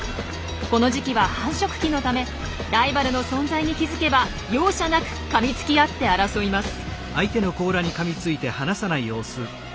この時期は繁殖期のためライバルの存在に気付けば容赦なくかみつき合って争います。